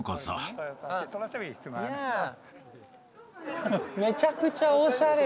めちゃくちゃおしゃれな。